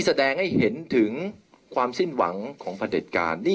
เพื่อยุดยั้งการสืบทอดอำนาจของขอสอชอต่อและยังพร้อมจะเป็นนายกรัฐมนตรี